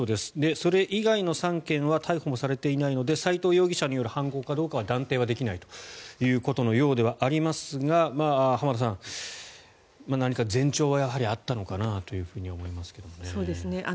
それ以外の３件は逮捕もされていないので斎藤容疑者による犯行かどうかは断定はできないということのようではありますが浜田さん、何か前兆はやはりあったのかなと思いますね。